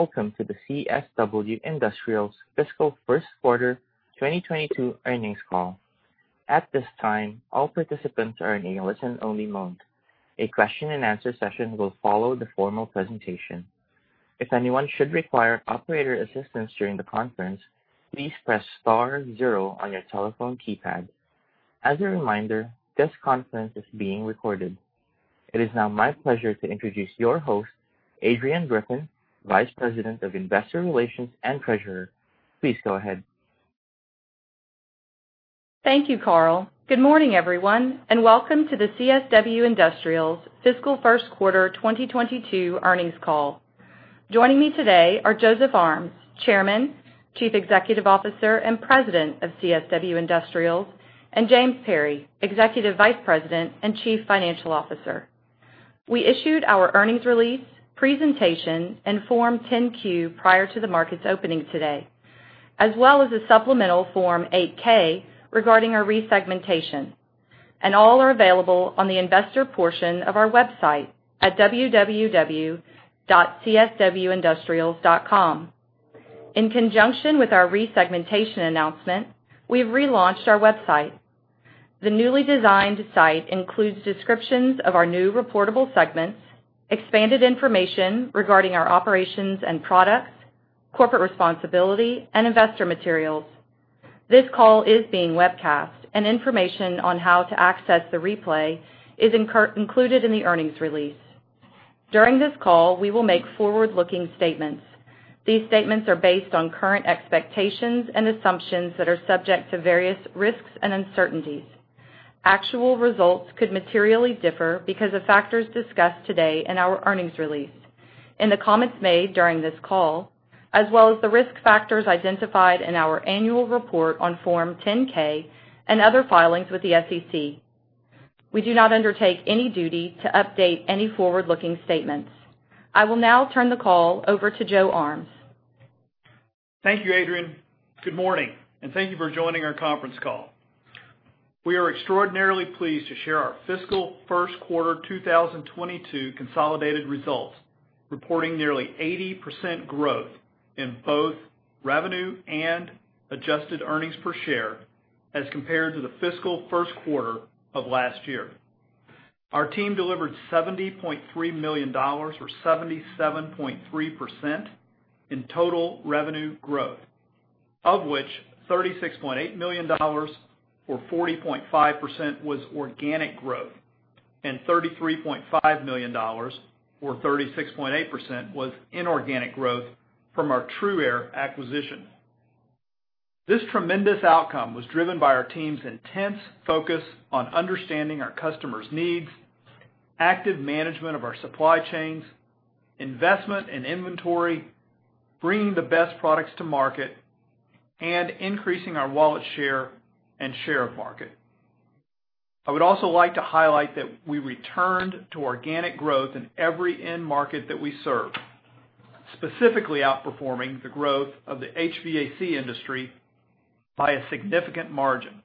Welcome to the CSW Industrials' fiscal first quarter 2022 earnings call. At this time all participants are on the listen-only mode. A question-and-answer session will follow the formal presentation. If anyone should require operator assistance during the conference, please press star zero on your telephone keypad. As a remider this conference is being recorded. It is now my pleasure to introduce your host, Adrianne Griffin, Vice President of Investor Relations and Treasurer. Please go ahead. Thank you, Carl. Good morning, everyone, and welcome to the CSW Industrials' fiscal first quarter 2022 earnings call. Joining me today are Joseph Armes, Chairman, Chief Executive Officer, and President of CSW Industrials, and James Perry, Executive Vice President and Chief Financial Officer. We issued our earnings release, presentation, and Form 10-Q prior to the market's opening today, as well as a supplemental Form 8-K regarding our resegmentation. All are available on the investor portion of our website at www.cswindustrials.com. In conjunction with our resegmentation announcement, we've relaunched our website. The newly designed site includes descriptions of our new reportable segments, expanded information regarding our operations and products, corporate responsibility, and investor materials. This call is being webcast. Information on how to access the replay is included in the earnings release. During this call, we will make forward-looking statements. These statements are based on current expectations and assumptions that are subject to various risks and uncertainties. Actual results could materially differ because of factors discussed today in our earnings release, in the comments made during this call, as well as the risk factors identified in our annual report on Form 10-K and other filings with the Securities and Exchange Commission. We do not undertake any duty to update any forward-looking statements. I will now turn the call over to Joe Armes. Thank you, Adrianne. Good morning, and thank you for joining our conference call. We are extraordinarily pleased to share our fiscal first quarter 2022 consolidated results, reporting nearly 80% growth in both revenue and adjusted earnings per share as compared to the fiscal first quarter of last year. Our team delivered $70.3 million, or 77.3%, in total revenue growth, of which $36.8 million, or 40.5%, was organic growth, and $33.5 million, or 36.8%, was inorganic growth from our TRUaire acquisition. This tremendous outcome was driven by our team's intense focus on understanding our customers' needs, active management of our supply chains, investment in inventory, bringing the best products to market, and increasing our wallet share and share of market. I would also like to highlight that we returned to organic growth in every end market that we serve, specifically outperforming the growth of the Heating, Ventilation, and Air Conditioning industry by a significant margin.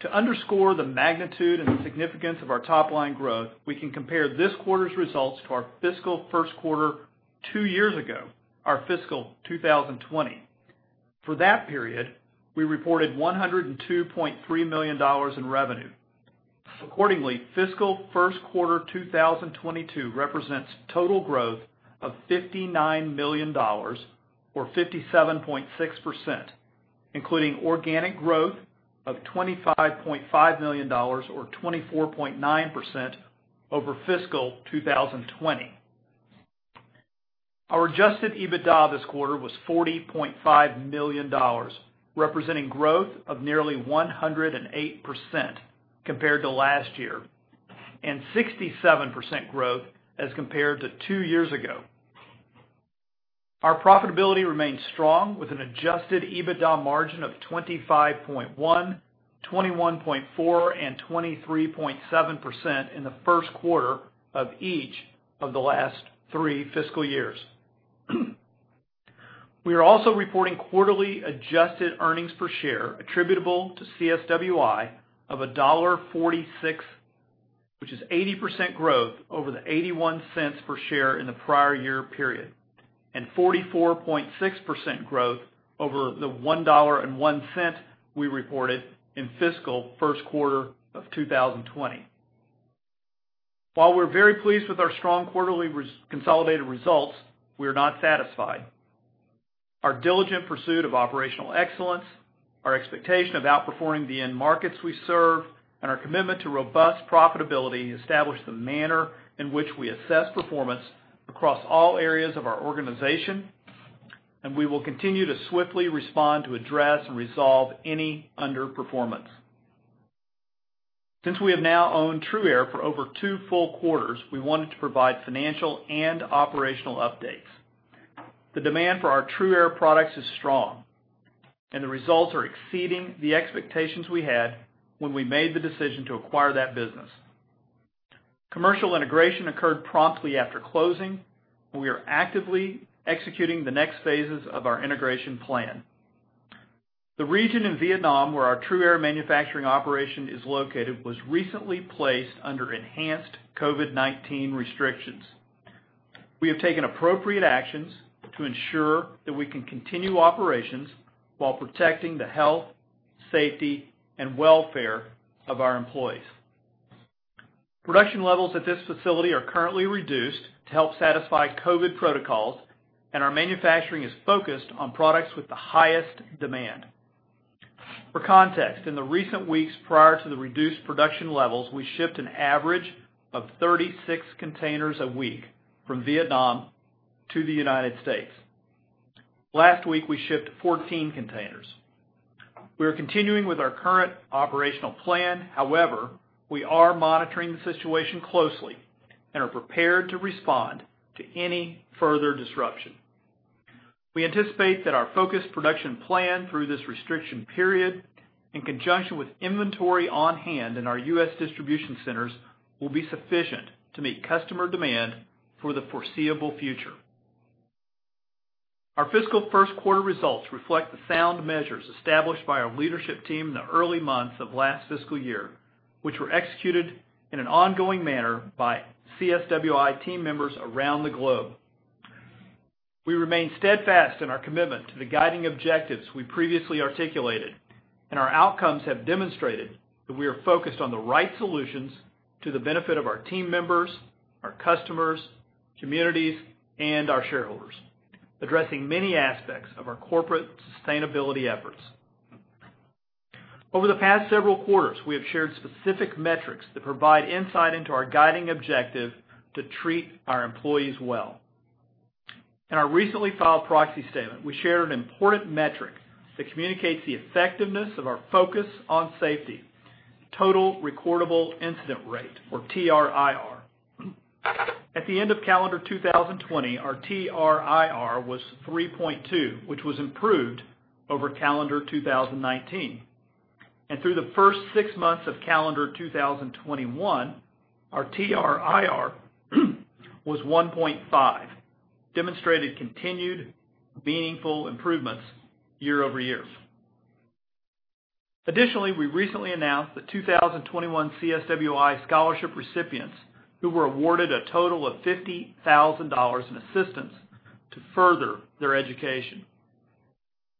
To underscore the magnitude and the significance of our top-line growth, we can compare this quarter's results to our fiscal first quarter two years ago, our fiscal 2020. For that period, we reported $102.3 million in revenue. Accordingly, fiscal first quarter 2022 represents total growth of $59 million, or 57.6%, including organic growth of $25.5 million, or 24.9%, over fiscal 2020. Our Adjusted EBITDA this quarter was $40.5 million, representing growth of nearly 108% compared to last year and 67% growth as compared to two years ago. Our profitability remains strong with an Adjusted EBITDA margin of 25.1%, 21.4%, and 23.7% in the first quarter of each of the last three fiscal years. We are also reporting quarterly adjusted earnings per share attributable to CSWI of $1.46, which is 80% growth over the $0.81 per share in the prior year period, and 44.6% growth over the $1.01 we reported in fiscal first quarter of 2020. While we're very pleased with our strong quarterly consolidated results, we are not satisfied. Our diligent pursuit of operational excellence, our expectation of outperforming the end markets we serve, and our commitment to robust profitability establish the manner in which we assess performance across all areas of our organization, and we will continue to swiftly respond to address and resolve any underperformance. Since we have now owned TRUaire for over two full quarters, we wanted to provide financial and operational updates. The demand for our TRUaire products is strong, and the results are exceeding the expectations we had when we made the decision to acquire that business. Commercial integration occurred promptly after closing. We are actively executing the next phases of our integration plan. The region in Vietnam where our TRUaire manufacturing operation is located was recently placed under enhanced COVID-19 restrictions. We have taken appropriate actions to ensure that we can continue operations while protecting the health, safety, and welfare of our employees. Production levels at this facility are currently reduced to help satisfy COVID protocols, and our manufacturing is focused on products with the highest demand. For context, in the recent weeks prior to the reduced production levels, we shipped an average of 36 containers a week from Vietnam to the U.S. Last week, we shipped 14 containers. We are continuing with our current operational plan. We are monitoring the situation closely and are prepared to respond to any further disruption. We anticipate that our focused production plan through this restriction period, in conjunction with inventory on hand in our U.S. distribution centers, will be sufficient to meet customer demand for the foreseeable future. Our fiscal first quarter results reflect the sound measures established by our leadership team in the early months of last fiscal year, which were executed in an ongoing manner by CSWI team members around the globe. We remain steadfast in our commitment to the guiding objectives we previously articulated, and our outcomes have demonstrated that we are focused on the right solutions to the benefit of our team members, our customers, communities, and our shareholders, addressing many aspects of our corporate sustainability efforts. Over the past several quarters, we have shared specific metrics that provide insight into our guiding objective to treat our employees well. In our recently filed proxy statement, we shared an important metric that communicates the effectiveness of our focus on safety, Total Recordable Incident Rate, or TRIR. At the end of calendar 2020, our TRIR was 3.2%, which was improved over calendar 2019. Through the first six months of calendar 2021, our TRIR was 1.5%, demonstrating continued meaningful improvements year-over-year. Additionally, we recently announced the 2021 CSWI scholarship recipients, who were awarded a total of $50,000 in assistance to further their education.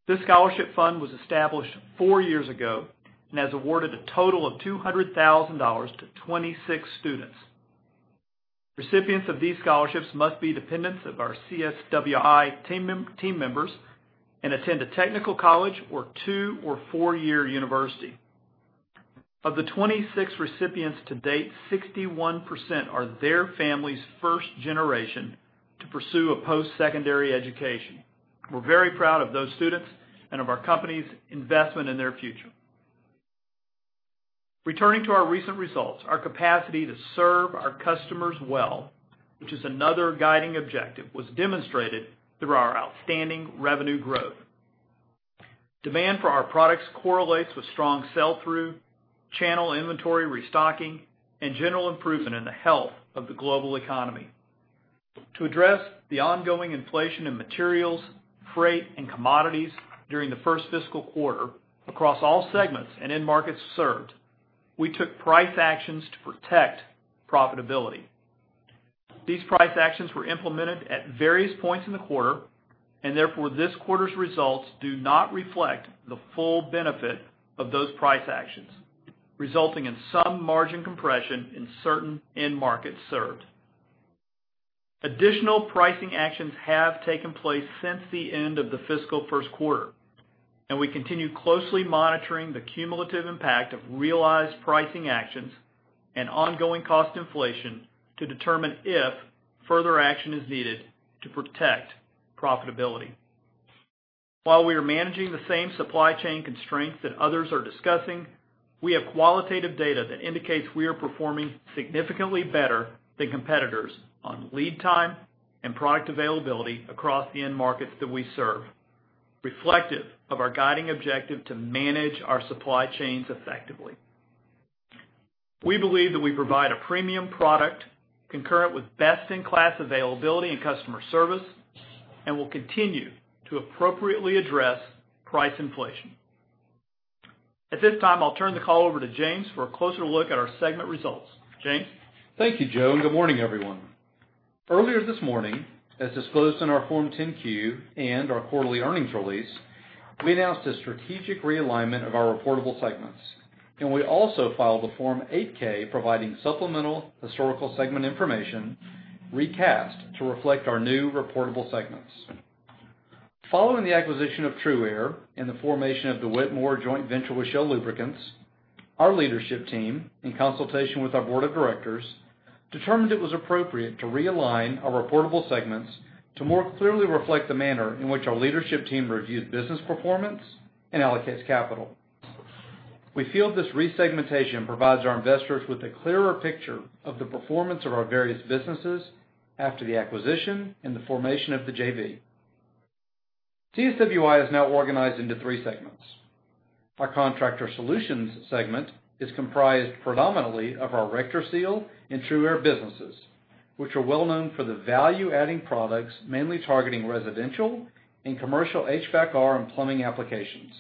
This scholarship fund was established four years ago and has awarded a total of $200,000 to 26 students. Recipients of these scholarships must be dependents of our CSWI team members and attend a technical college or two or four-year university. Of the 26 recipients to date, 61% are their family's first generation to pursue a post-secondary education. We're very proud of those students and of our company's investment in their future. Returning to our recent results, our capacity to serve our customers well, which is another guiding objective, was demonstrated through our outstanding revenue growth. Demand for our products correlates with strong sell-through, channel inventory restocking, and general improvement in the health of the global economy. To address the ongoing inflation in materials, freight, and commodities during the first fiscal quarter, across all segments and end markets served, we took price actions to protect profitability. These price actions were implemented at various points in the quarter, and therefore, this quarter's results do not reflect the full benefit of those price actions, resulting in some margin compression in certain end markets served. Additional pricing actions have taken place since the end of the fiscal first quarter, and we continue closely monitoring the cumulative impact of realized pricing actions and ongoing cost inflation to determine if further action is needed to protect profitability. While we are managing the same supply chain constraints that others are discussing, we have qualitative data that indicates we are performing significantly better than competitors on lead time and product availability across the end markets that we serve, reflective of our guiding objective to manage our supply chains effectively. We believe that we provide a premium product concurrent with best-in-class availability and customer service and will continue to appropriately address price inflation. At this time, I'll turn the call over to James Perry for a closer look at our segment results. James? Thank you, Joe. Good morning, everyone. Earlier this morning, as disclosed in our Form 10-Q and our quarterly earnings release, we announced a strategic realignment of our reportable segments. We also filed a Form 8-K providing supplemental historical segment information recast to reflect our new reportable segments. Following the acquisition of TRUaire and the formation of the Whitmore joint venture with Shell Lubricants, our leadership team, in consultation with our board of directors, determined it was appropriate to realign our reportable segments to more clearly reflect the manner in which our leadership team reviews business performance and allocates capital. We feel this resegmentation provides our investors with a clearer picture of the performance of our various businesses after the acquisition and the formation of the JV. CSWI is now organized into three segments. Our Contractor Solutions segment is comprised predominantly of our RectorSeal and TRUaire businesses, which are well-known for the value-adding products, mainly targeting residential and commercial HVACR and plumbing applications.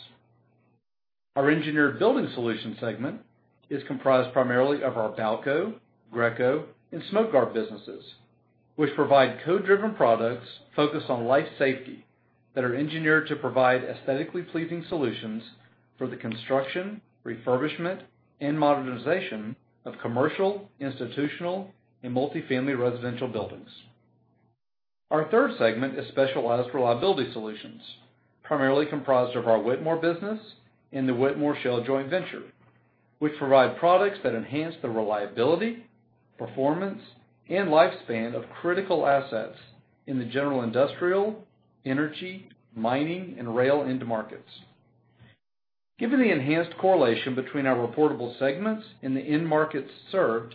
Our Engineered Building Solutions segment is comprised primarily of our Balco, Greco, and Smoke Guard businesses, which provide code-driven products focused on life safety that are engineered to provide aesthetically pleasing solutions for the construction, refurbishment, and modernization of commercial, institutional, and multi-family residential buildings. Our third segment is Specialized Reliability Solutions, primarily comprised of our Whitmore business and the Whitmore Shell joint venture, which provide products that enhance the reliability, performance, and lifespan of critical assets in the general industrial, energy, mining, and rail end markets. Given the enhanced correlation between our reportable segments and the end markets served,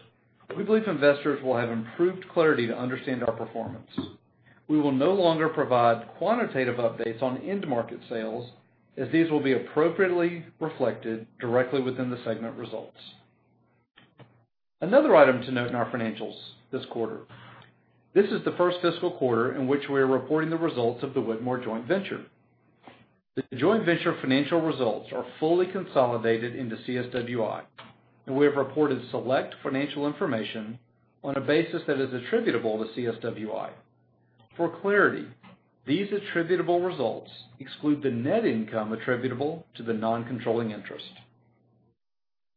we believe investors will have improved clarity to understand our performance. We will no longer provide quantitative updates on end market sales, as these will be appropriately reflected directly within the segment results. Another item to note in our financials this quarter, this is the first fiscal quarter in which we are reporting the results of the Whitmore joint venture. The joint venture financial results are fully consolidated into CSWI, and we have reported select financial information on a basis that is attributable to CSWI. For clarity, these attributable results exclude the net income attributable to the non-controlling interest.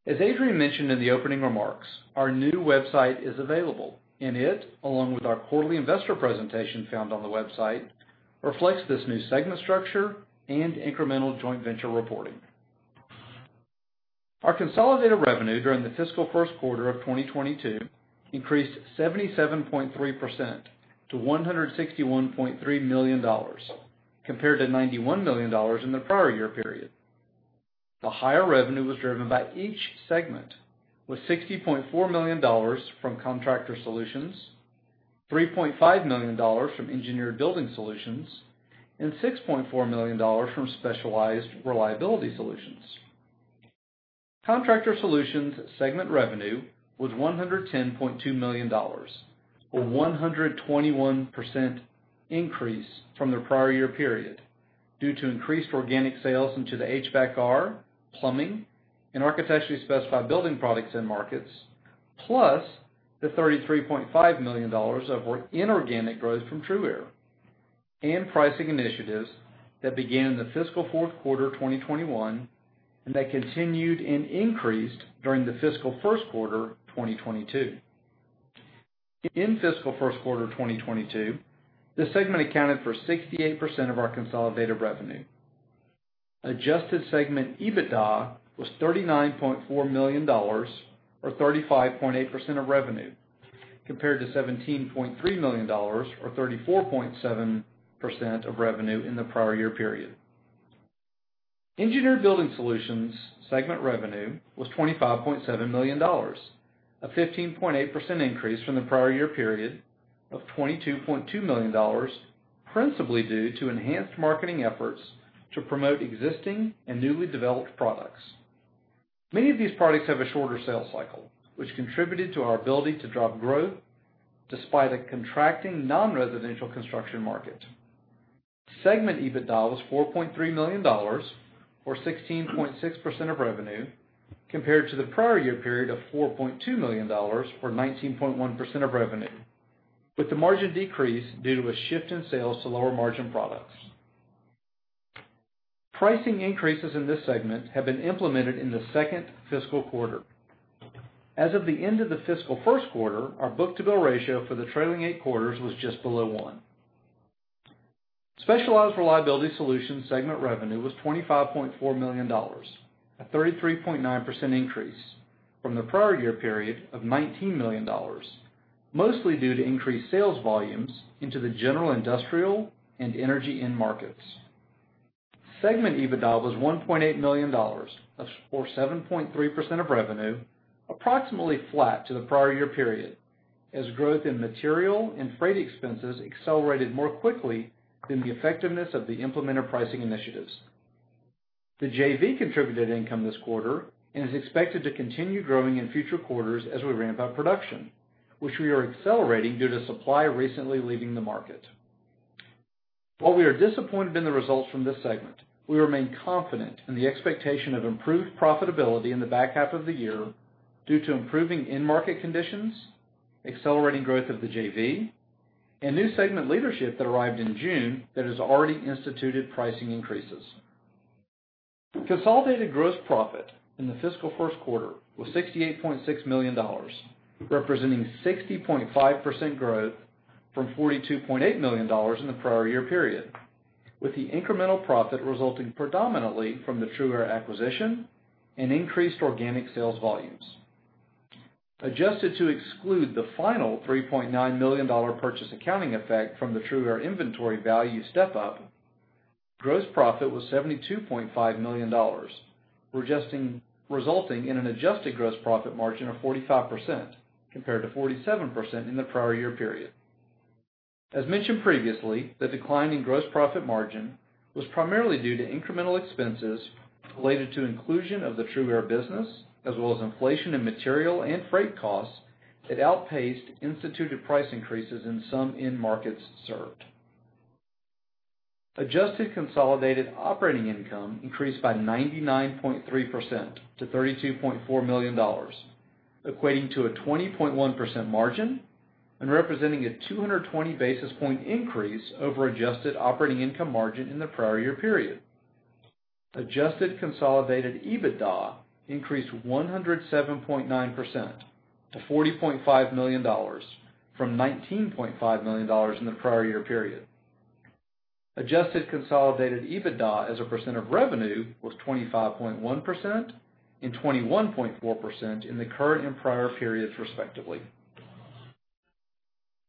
As Adrianne Griffin mentioned in the opening remarks, our new website is available, and it, along with our quarterly investor presentation found on the website, reflects this new segment structure and incremental joint venture reporting. Our consolidated revenue during the fiscal first quarter of 2022 increased 77.3% to $161.3 million, compared to $91 million in the prior year period. The higher revenue was driven by each segment with $60.4 million from Contractor Solutions, $3.5 million from Engineered Building Solutions, and $6.4 million from Specialized Reliability Solutions. Contractor Solutions segment revenue was $110.2 million, a 121% increase from the prior year period due to increased organic sales into the HVACR, plumbing, and architecturally specified building products end markets, plus the $33.5 million of inorganic growth from TRUaire and pricing initiatives that began in the fiscal fourth quarter of 2021 and that continued and increased during the fiscal first quarter of 2022. In fiscal first quarter of 2022, this segment accounted for 68% of our consolidated revenue. Adjusted segment EBITDA was $39.4 million, or 35.8% of revenue, compared to $17.3 million, or 34.7% of revenue in the prior year period. Engineered Building Solutions segment revenue was $25.7 million, a 15.8% increase from the prior year period of $22.2 million, principally due to enhanced marketing efforts to promote existing and newly developed products. Many of these products have a shorter sales cycle, which contributed to our ability to drive growth despite a contracting non-residential construction market. Segment EBITDA was $4.3 million, or 16.6% of revenue, compared to the prior year period of $4.2 million, or 19.1% of revenue, with the margin decrease due to a shift in sales to lower-margin products. Pricing increases in this segment have been implemented in the second fiscal quarter. As of the end of the fiscal first quarter, our book-to-bill ratio for the trailing eight quarters was just below one. Specialized Reliability Solutions segment revenue was $25.4 million, a 33.9% increase from the prior year period of $19 million, mostly due to increased sales volumes into the general industrial and energy end markets. Segment EBITDA was $1.8 million, or 7.3% of revenue, approximately flat to the prior year period as growth in material and freight expenses accelerated more quickly than the effectiveness of the implemented pricing initiatives. The JV contributed income this quarter and is expected to continue growing in future quarters as we ramp up production, which we are accelerating due to supply recently leaving the market. While we are disappointed in the results from this segment, we remain confident in the expectation of improved profitability in the back half of the year due to improving end-market conditions, accelerating growth of the JV, and new segment leadership that arrived in June that has already instituted pricing increases. Consolidated gross profit in the fiscal first quarter was $68.6 million, representing 60.5% growth from $42.8 million in the prior year period, with the incremental profit resulting predominantly from the TRUaire acquisition and increased organic sales volumes. Adjusted to exclude the final $3.9 million purchase accounting effect from the TRUaire inventory value step-up, gross profit was $72.5 million, resulting in an adjusted gross profit margin of 45%, compared to 47% in the prior year period. As mentioned previously, the decline in gross profit margin was primarily due to incremental expenses related to inclusion of the TRUaire business, as well as inflation in material and freight costs that outpaced instituted price increases in some end markets served. Adjusted consolidated operating income increased by 99.3% to $32.4 million, equating to a 20.1% margin and representing a 220 basis point increase over adjusted operating income margin in the prior year period. Adjusted consolidated EBITDA increased 107.9% to $40.5 million from $19.5 million in the prior year period. Adjusted consolidated EBITDA as a % of revenue was 25.1% and 21.4% in the current and prior periods, respectively.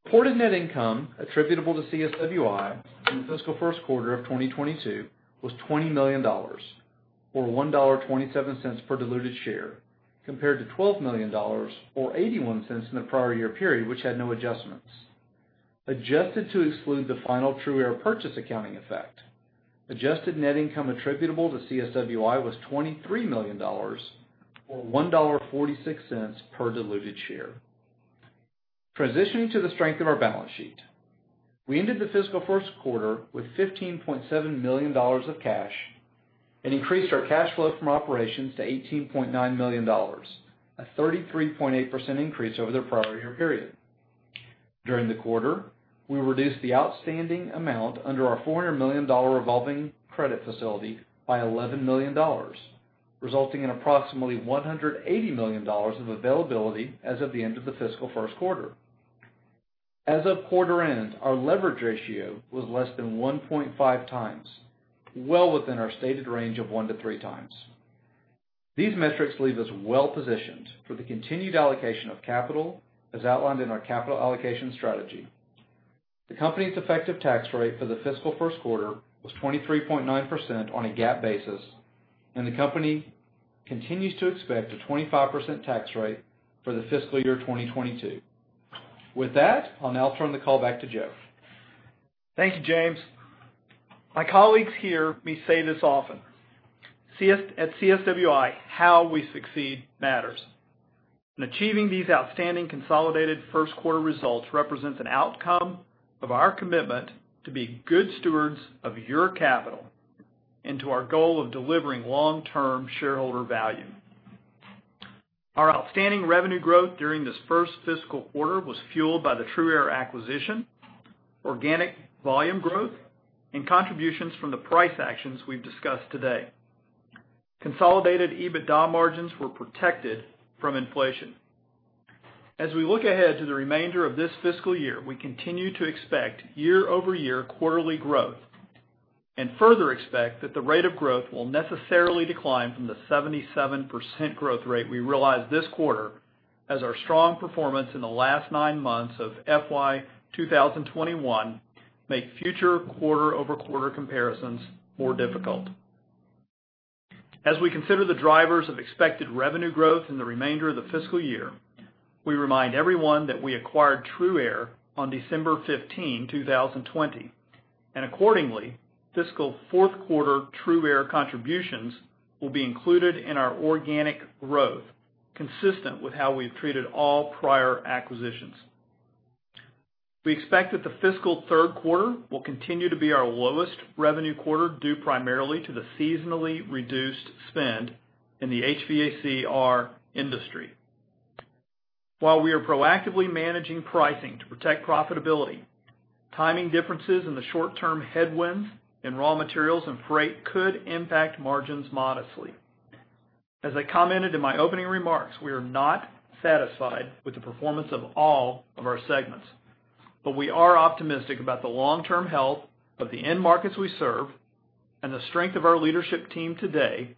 Reported net income attributable to CSWI in the fiscal first quarter of 2022 was $20 million, or $1.27 per diluted share, compared to $12 million or $0.81 in the prior year period, which had no adjustments. Adjusted to exclude the final TRUaire purchase accounting effect, adjusted net income attributable to CSWI was $23 million, or $1.46 per diluted share. Transitioning to the strength of our balance sheet, we ended the fiscal first quarter with $15.7 million of cash and increased our cash flow from operations to $18.9 million, a 33.8% increase over the prior year period. During the quarter, we reduced the outstanding amount under our $400 million revolving credit facility by $11 million, resulting in approximately $180 million of availability as of the end of the fiscal first quarter. As of quarter end, our leverage ratio was less than 1.5x, well within our stated range of 1x-3x. These metrics leave us well-positioned for the continued allocation of capital, as outlined in our capital allocation strategy. The company's effective tax rate for the fiscal first quarter was 23.9% on a GAAP basis, and the company continues to expect a 25% tax rate for the fiscal year 2022. With that, I'll now turn the call back to Joe. Thank you, James. My colleagues hear me say this often: at CSWI, how we succeed matters. Achieving these outstanding consolidated first quarter results represents an outcome of our commitment to be good stewards of your capital into our goal of delivering long-term shareholder value. Our outstanding revenue growth during this first fiscal quarter was fueled by the TRUaire acquisition, organic volume growth, and contributions from the price actions we've discussed today. Consolidated EBITDA margins were protected from inflation. As we look ahead to the remainder of this fiscal year, we continue to expect year-over-year quarterly growth and further expect that the rate of growth will necessarily decline from the 77% growth rate we realized this quarter as our strong performance in the last nine months of FY 2021 make future quarter-over-quarter comparisons more difficult. As we consider the drivers of expected revenue growth in the remainder of the fiscal year, we remind everyone that we acquired TRUaire on December 15, 2020, and accordingly, fiscal fourth quarter TRUaire contributions will be included in our organic growth, consistent with how we've treated all prior acquisitions. We expect that the fiscal third quarter will continue to be our lowest revenue quarter, due primarily to the seasonally reduced spend in the HVACR industry. While we are proactively managing pricing to protect profitability, timing differences in the short-term headwinds in raw materials and freight could impact margins modestly. As I commented in my opening remarks, we are not satisfied with the performance of all of our segments, but we are optimistic about the long-term health of the end markets we serve and the strength of our leadership team today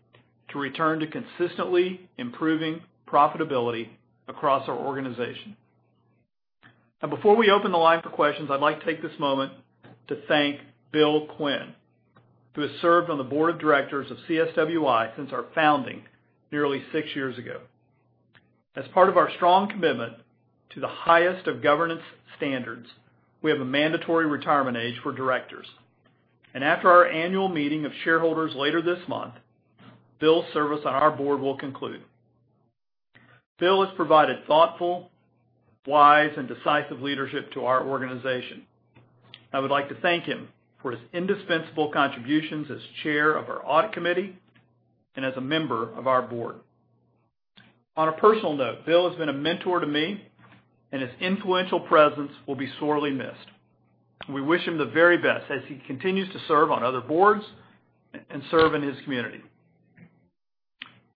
to return to consistently improving profitability across our organization. Before we open the line for questions, I'd like to take this moment to thank Bill Quinn, who has served on the board of directors of CSWI since our founding nearly six years ago. As part of our strong commitment to the highest of governance standards, we have a mandatory retirement age for directors. After our annual meeting of shareholders later this month, Bill's service on our board will conclude. Bill has provided thoughtful, wise, and decisive leadership to our organization. I would like to thank him for his indispensable contributions as chair of our audit committee and as a member of our board. On a personal note, Bill has been a mentor to me and his influential presence will be sorely missed. We wish him the very best as he continues to serve on other boards and serve in his community.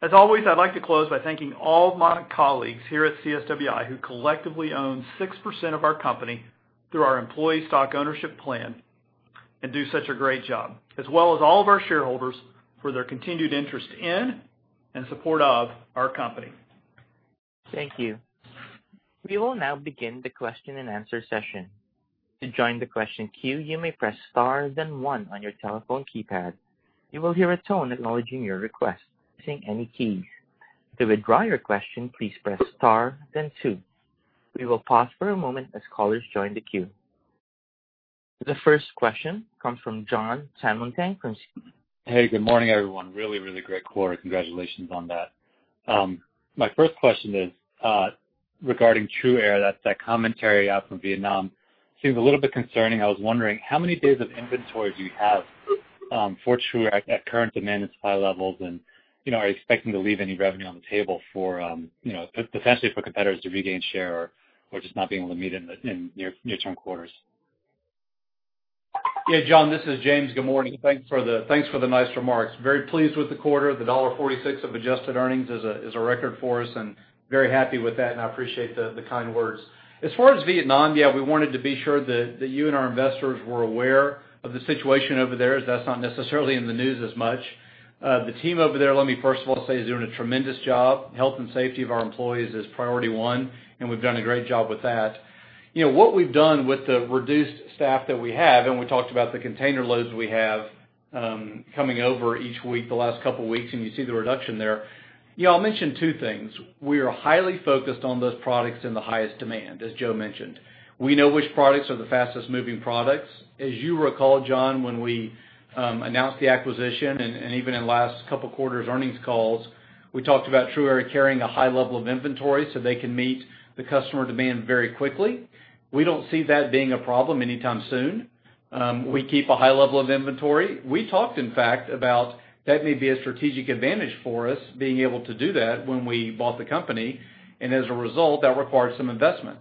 As always, I'd like to close by thanking all of my colleagues here at CSWI, who collectively own 6% of our company through our employee stock ownership plan and do such a great job, as well as all of our shareholders for their continued interest in and support of our company. Thank you. We will now begin the question and answer session. To join the question queue, you may press star then one on your telephone keypad. You will hear a tone acknowledging your request. [Press any key]. To withdraw your question please press star then two. We will pause for a moment as call is joined the queue. The first question comes from Jon Tanwanteng, CJS Securities. Hey, good morning, everyone. Really, really great quarter. Congratulations on that. My first question is, regarding TRUaire, that commentary out from Vietnam seems a little bit concerning. I was wondering, how many days of inventory do you have for TRUaire at current demand and supply levels, and are you expecting to leave any revenue on the table potentially for competitors to regain share or just not being able to meet in near-term quarters? Yeah, Jon, this is James. Good morning. Thanks for the nice remarks. Very pleased with the quarter. The $1.46 of adjusted earnings is a record for us, and very happy with that, and I appreciate the kind words. As far as Vietnam, yeah, we wanted to be sure that you and our investors were aware of the situation over there, as that's not necessarily in the news as much. The team over there, let me first of all say, is doing a tremendous job. Health and safety of our employees is priority one, and we've done a great job with that. What we've done with the reduced staff that we have, and we talked about the container loads we have coming over each week, the last couple weeks, and you see the reduction there. I'll mention two things. We are highly focused on those products in the highest demand, as Joe mentioned. We know which products are the fastest moving products. As you recall, Jon, when we announced the acquisition and even in the last couple quarters' earnings calls, we talked about TRUaire carrying a high level of inventory so they can meet the customer demand very quickly. We don't see that being a problem anytime soon. We keep a high level of inventory. We talked, in fact, about that may be a strategic advantage for us being able to do that when we bought the company, and as a result, that required some investment.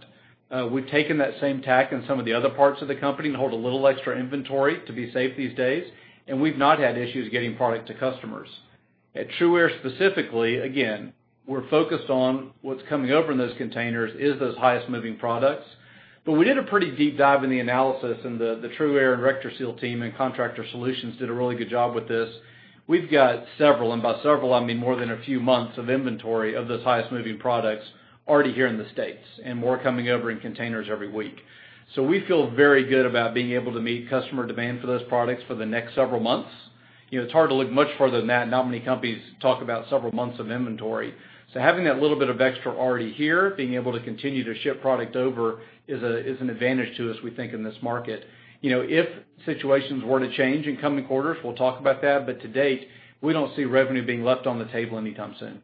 We've taken that same tack in some of the other parts of the company and hold a little extra inventory to be safe these days, and we've not had issues getting product to customers. At TRUaire specifically, again, we're focused on what's coming over in those containers is those highest moving products. We did a pretty deep dive in the analysis, and the TRUaire and RectorSeal team and Contractor Solutions did a really good job with this. We've got several, and by several, I mean more than a few months of inventory of those highest moving products already here in the States, and more coming over in containers every week. We feel very good about being able to meet customer demand for those products for the next several months. It's hard to look much further than that. Not many companies talk about several months of inventory. Having that little bit of extra already here, being able to continue to ship product over is an advantage to us, we think, in this market. If situations were to change in coming quarters, we'll talk about that, but to date, we don't see revenue being left on the table anytime soon.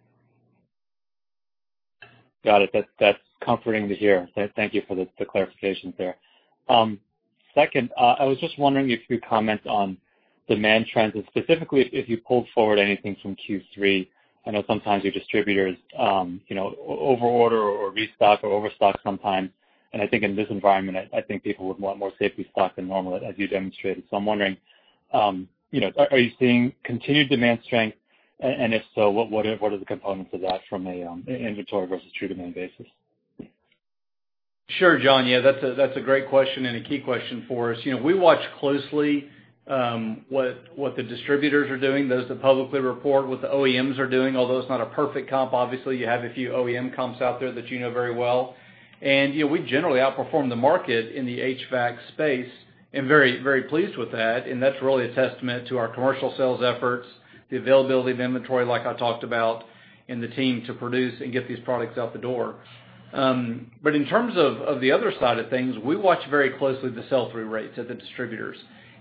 Got it. That's comforting to hear. Thank you for the clarifications there. Second, I was just wondering if you could comment on demand trends, and specifically if you pulled forward anything from Q3. I know sometimes your distributors over-order or restock or overstock sometimes, and I think in this environment, I think people would want more safety stock than normal, as you demonstrated. I'm wondering, are you seeing continued demand strength? If so, what are the components of that from an inventory versus true demand basis? Sure, Jon. Yeah, that's a great question and a key question for us. We watch closely what the distributors are doing, those that publicly report what the original equipment manufacturers are doing, although it's not a perfect comp. Obviously, you have a few OEM comps out there that you know very well. We generally outperform the market in the HVAC space and very pleased with that, and that's really a testament to our commercial sales efforts, the availability of inventory, like I talked about, and the team to produce and get these products out the door. In terms of the other side of things, we watch very closely the sell-through rates at the distributors,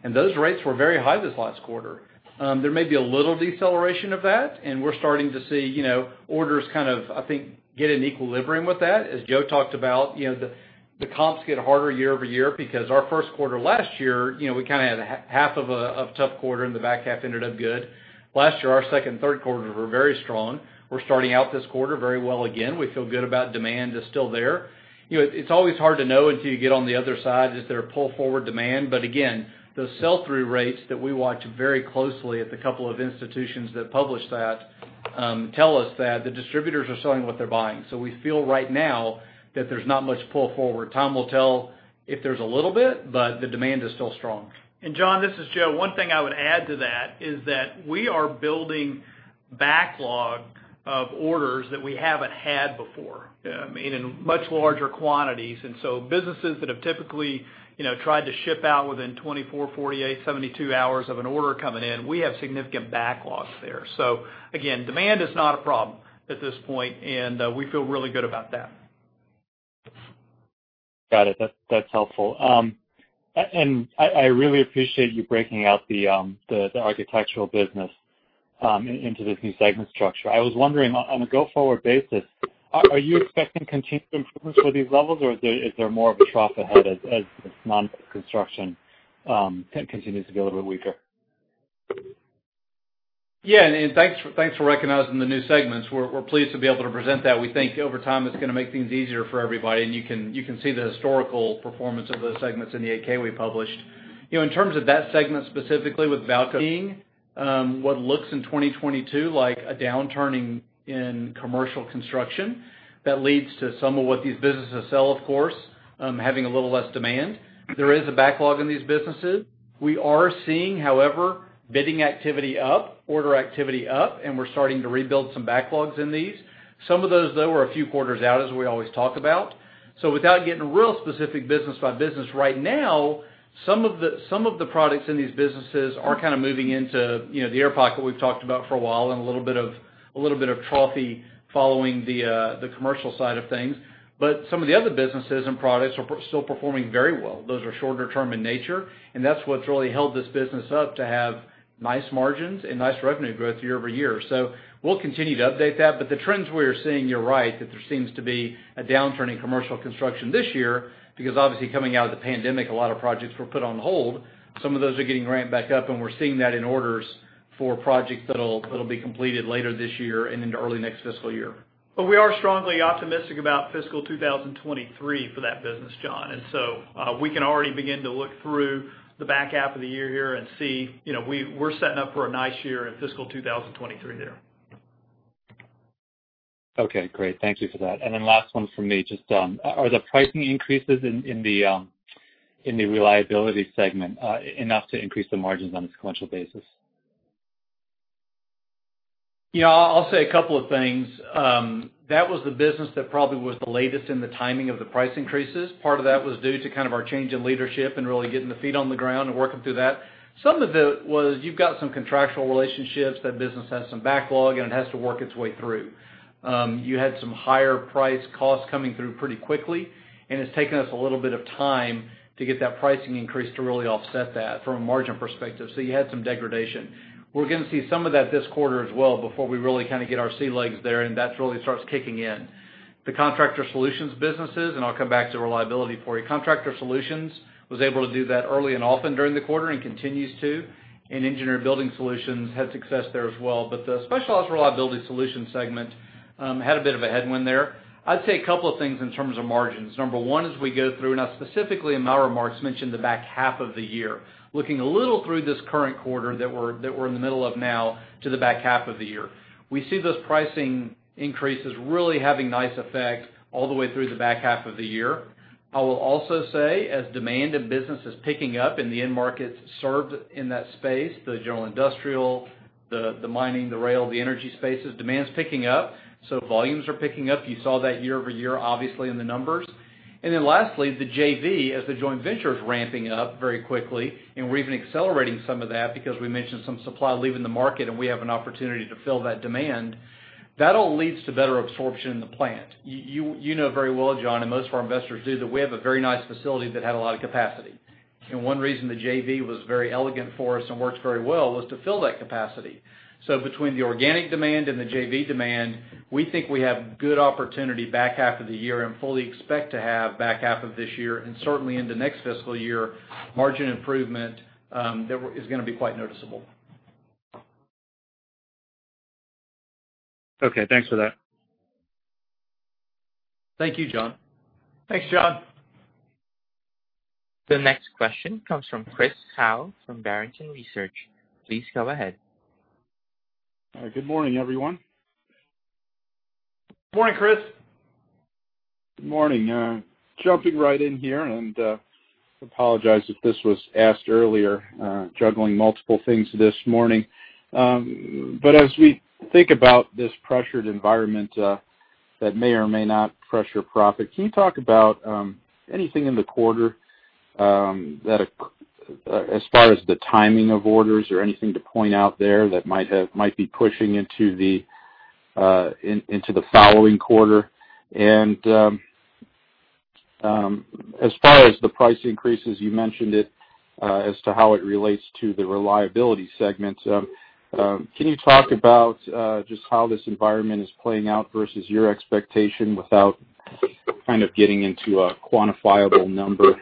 and those rates were very high this last quarter. There may be a little deceleration of that, and we're starting to see orders kind of, I think, get in equilibrium with that. As Joe talked about, the comps get harder year-over-year because our first quarter last year, we kind of had a half of a tough quarter and the back half ended up good. Last year, our second and third quarters were very strong. We're starting out this quarter very well, again. We feel good about demand is still there. It's always hard to know until you get on the other side, is there a pull-forward demand? Again, those sell-through rates that we watch very closely at the couple of institutions that publish that, tell us that the distributors are selling what they're buying. We feel right now that there's not much pull-forward. Time will tell if there's a little bit, but the demand is still strong. Jon, this is Joe. One thing I would add to that is that we are building backlog of orders that we haven't had before. I mean, in much larger quantities. Businesses that have typically tried to ship out within 24 hours, 48 hours, 72 hours of an order coming in, we have significant backlogs there. Again, demand is not a problem at this point, and we feel really good about that. Got it. That's helpful. I really appreciate you breaking out the architectural business into this new segment structure. I was wondering, on a go-forward basis, are you expecting continued improvements for these levels, or is there more of a trough ahead as non-construction continues to get a little bit weaker? Thanks for recognizing the new segments. We're pleased to be able to present that. We think over time it's going to make things easier for everybody, and you can see the historical performance of those segments in the 8-K we published. In terms of that segment, specifically with Balco seeing what looks in 2022 like a downturning in commercial construction, that leads to some of what these businesses sell, of course, having a little less demand. There is a backlog in these businesses. We are seeing, however, bidding activity up, order activity up, and we're starting to rebuild some backlogs in these. Some of those, though, are a few quarters out, as we always talk about. Without getting real specific business by business right now. Some of the products in these businesses are kind of moving into the air pocket we've talked about for a while, and a little bit of trophy following the commercial side of things. Some of the other businesses and products are still performing very well. Those are shorter term in nature, and that's what's really held this business up to have nice margins and nice revenue growth year-over-year. We'll continue to update that. The trends we're seeing, you're right, that there seems to be a downturn in commercial construction this year because obviously coming out of the pandemic, a lot of projects were put on hold. Some of those are getting ramped back up and we're seeing that in orders for projects that'll be completed later this year and into early next fiscal year. We are strongly optimistic about fiscal 2023 for that business, Jon. We can already begin to look through the back half of the year here and see we're setting up for a nice year in fiscal 2023 there. Okay, great. Thank you for that. Last one from me. Just, are the pricing increases in the reliability segment enough to increase the margins on a sequential basis? Yeah. I'll say a couple of things. That was the business that probably was the latest in the timing of the price increases. Part of that was due to kind of our change in leadership and really getting the feet on the ground and working through that. Some of it was you've got some contractual relationships, that business has some backlog, and it has to work its way through. You had some higher price costs coming through pretty quickly, and it's taken us a little bit of time to get that pricing increase to really offset that from a margin perspective. You had some degradation. We're going to see some of that this quarter as well before we really kind of get our sea legs there and that really starts kicking in. The Contractor Solutions businesses, and I'll come back to Reliability for you. Contractor Solutions was able to do that early and often during the quarter and continues to, and Engineered Building Solutions had success there as well. The Specialized Reliability Solutions segment had a bit of a headwind there. I'd say a couple of things in terms of margins. Number one, as we go through, and I specifically in my remarks, mentioned the back half of the year. Looking a little through this current quarter that we're in the middle of now to the back half of the year. We see those pricing increases really having nice effects all the way through the back half of the year. I will also say as demand and business is picking up in the end markets served in that space, the general industrial, the mining, the rail, the energy spaces, demand's picking up, so volumes are picking up. You saw that year-over-year obviously in the numbers. Lastly, the JV, as the joint venture is ramping up very quickly, and we're even accelerating some of that because we mentioned some supply leaving the market and we have an opportunity to fill that demand. That all leads to better absorption in the plant. You know very well, Jon, and most of our investors do, that we have a very nice facility that had a lot of capacity. One reason the JV was very elegant for us and works very well was to fill that capacity. Between the organic demand and the JV demand, we think we have good opportunity back half of the year and fully expect to have back half of this year and certainly into next fiscal year, margin improvement is going to be quite noticeable. Okay, thanks for that. Thank you, Jon. Thanks, Jon. The next question comes from Christopher Howe from Barrington Research. Please go ahead. Good morning, everyone. Morning, Chris. Good morning. Jumping right in here and apologize if this was asked earlier, juggling multiple things this morning. As we think about this pressured environment that may or may not pressure profit, can you talk about anything in the quarter as far as the timing of orders or anything to point out there that might be pushing into the following quarter? As far as the price increases, you mentioned it as to how it relates to the Specialized Reliability Solutions segment. Can you talk about just how this environment is playing out versus your expectation without kind of getting into a quantifiable number?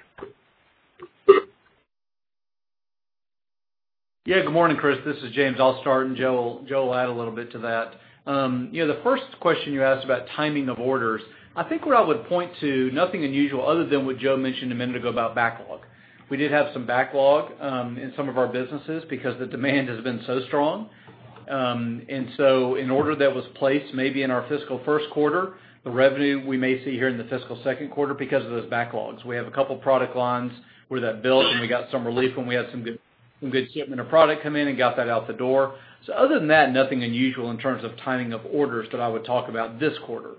Good morning, Chris. This is James. I'll start and Joe will add a little bit to that. The first question you asked about timing of orders, I think where I would point to nothing unusual other than what Joe mentioned a minute ago about backlog. We did have some backlog in some of our businesses because the demand has been so strong. An order that was placed maybe in our fiscal first quarter, the revenue we may see here in the fiscal second quarter because of those backlogs. We have two product lines where that built, and we got some relief when we had some good shipment of product come in and got that out the door. Other than that, nothing unusual in terms of timing of orders that I would talk about this quarter.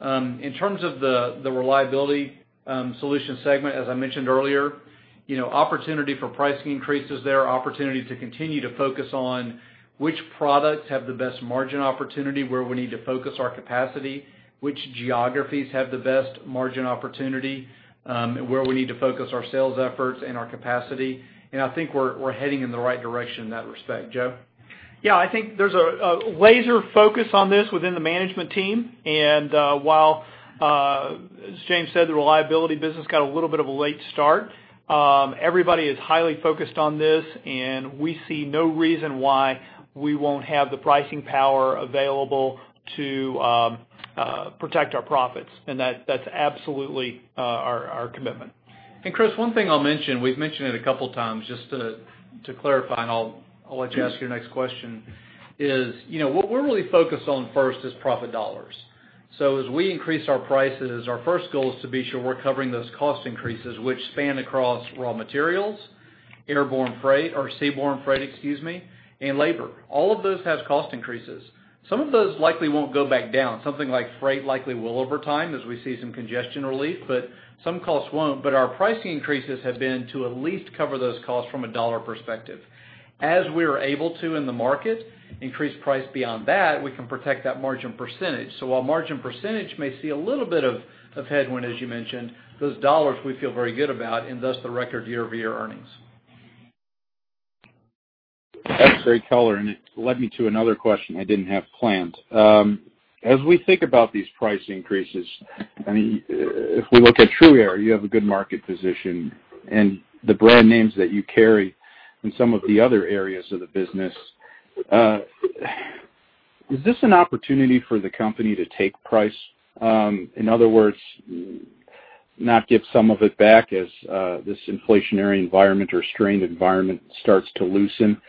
In terms of the Specialized Reliability Solutions segment, as I mentioned earlier, opportunity for pricing increases there, opportunity to continue to focus on which products have the best margin opportunity, where we need to focus our capacity, which geographies have the best margin opportunity, where we need to focus our sales efforts and our capacity. I think we're heading in the right direction in that respect. Joe? Yeah, I think there's a laser focus on this within the management team. While, as James said, the reliability business got a little bit of a late start, everybody is highly focused on this, and we see no reason why we won't have the pricing power available to protect our profits. That's absolutely our commitment. Chris, one thing I'll mention, we've mentioned it a couple of times just to clarify, and I'll let you ask your next question is, what we're really focused on first is profit dollars. As we increase our prices, our first goal is to be sure we're covering those cost increases, which span across raw materials Airborne freight or seaborne freight, excuse me, and labor. All of those have cost increases. Some of those likely won't go back down. Something like freight likely will over time, as we see some congestion relief, but some costs won't. Our price increases have been to at least cover those costs from a dollar perspective. As we are able to in the market increase price beyond that, we can protect that margin percentage. While margin percentage may see a little bit of headwind, as you mentioned, those dollars we feel very good about, and thus the record year-over-year earnings. That's very color and it led me to another question I didn't have planned. As we think about these price increases, if we look at TRUaire, you have a good market position and the brand names that you carry in some of the other areas of the business. Is this an opportunity for the company to take price? In other words, not give some of it back as this inflationary environment or strained environment starts to loosen,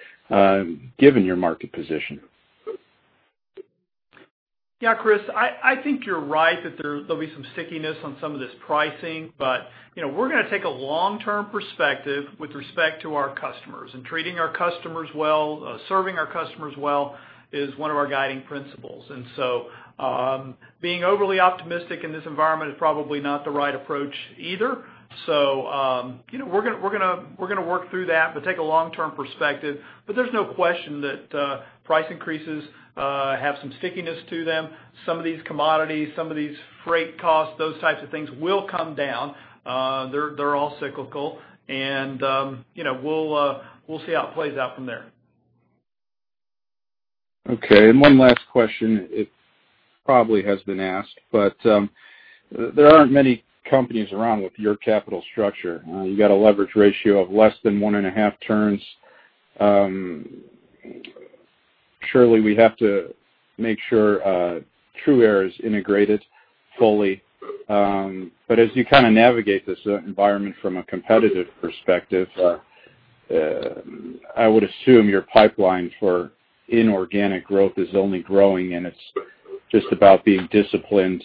given your market position? Yeah, Chris, I think you're right that there'll be some stickiness on some of this pricing, but we're going to take a long-term perspective with respect to our customers. Treating our customers well, serving our customers well is one of our guiding principles. Being overly optimistic in this environment is probably not the right approach either. We're going to work through that, but take a long-term perspective. There's no question that price increases have some stickiness to them. Some of these commodities, some of these freight costs, those types of things will come down. They're all cyclical and we'll see how it plays out from there. Okay, one last question. It probably has been asked, there aren't many companies around with your capital structure. You got a leverage ratio of less than one and a half turns. Surely we have to make sure TRUaire is integrated fully. As you kind of navigate this environment from a competitive perspective, I would assume your pipeline for inorganic growth is only growing, and it's just about being disciplined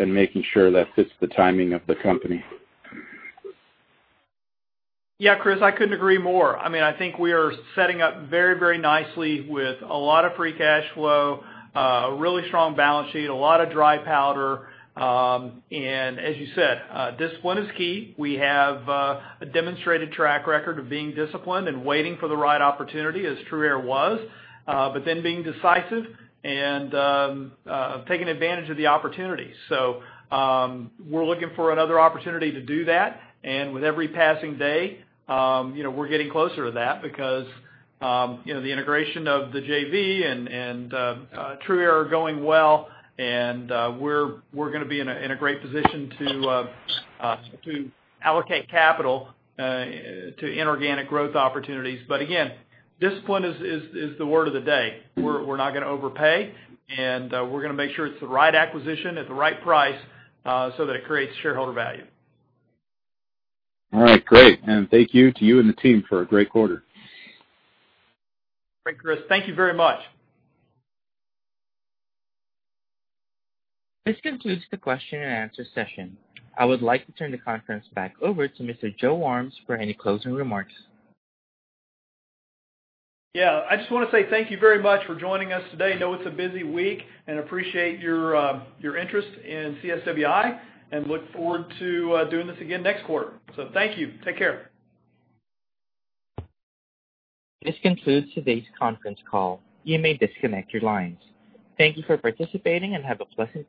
and making sure that fits the timing of the company. Yeah, Chris, I couldn't agree more. I think we are setting up very nicely with a lot of free cash flow, a really strong balance sheet, a lot of dry powder. As you said, discipline is key. We have a demonstrated track record of being disciplined and waiting for the right opportunity as TRUaire was. Being decisive and taking advantage of the opportunity. We're looking for another opportunity to do that. With every passing day we're getting closer to that because the integration of the JV and TRUaire are going well, and we're going to be in a great position to allocate capital to inorganic growth opportunities. Again, discipline is the word of the day. We're not going to overpay, and we're going to make sure it's the right acquisition at the right price so that it creates shareholder value. All right, great. Thank you to you and the team for a great quarter. Great, Chris. Thank you very much. This concludes the question and answer session. I would like to turn the conference back over to Mr. Joe Armes for any closing remarks. Yeah, I just want to say thank you very much for joining us today. I know it's a busy week and appreciate your interest in CSWI, and look forward to doing this again next quarter. Thank you. Take care. This concludes today's conference call. You may disconnect your lines. Thank you for participating and have a pleasant day.